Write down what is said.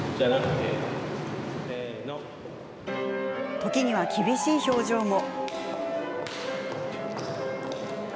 時には厳しい表情も。